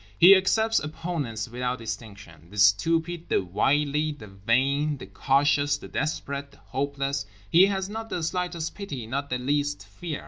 He accepts opponents without distinction—the stupid, the wily, the vain, the cautious, the desperate, the hopeless. He has not the slightest pity, not the least fear.